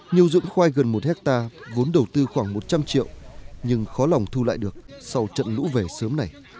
nhiều dụng khoai gần một hectare vốn đầu tư khoảng một trăm linh triệu nhưng khó lòng thu lại được sau trận lũ về sớm này